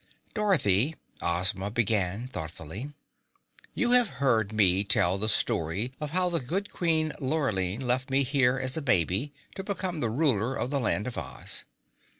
"Dorothy," Ozma began, thoughtfully, "you have heard me tell the story of how the good Queen Lurline left me here as a baby to become the Ruler of the Land of Oz."